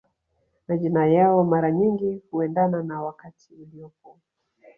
Majina yao mara nyingi huendana na wakati uliopo